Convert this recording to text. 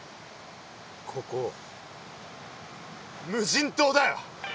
ここ無人島だよ！